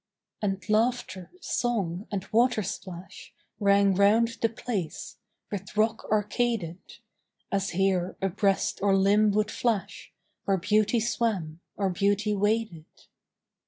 And laughter, song, and water splash Rang round the place, with rock arcaded, As here a breast or limb would flash Where beauty swam or beauty waded.